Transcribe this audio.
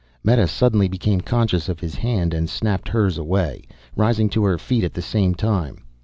Meta suddenly became conscious of his hand and snapped hers away, rising to her feet at the same time.